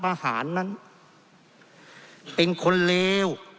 เพราะเรามี๕ชั่วโมงครับท่านนึง